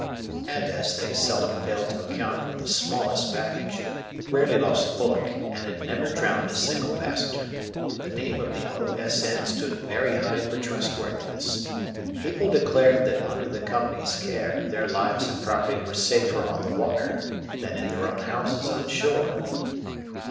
And as they seldom failed to account for the smallest package, rarely lost a bullock, and had never drowned a single passenger, the name of the O.S.N. stood very high for trustworthiness. People declared that under the Company's care their lives and property were safer on the water than in their own houses on shore.